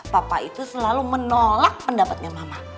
papa itu selalu menolak pendapatnya mama